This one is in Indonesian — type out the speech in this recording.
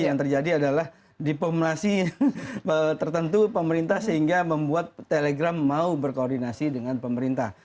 yang terjadi adalah di formulasi tertentu pemerintah sehingga membuat telegram mau berkoordinasi dengan pemerintah